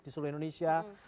di seluruh indonesia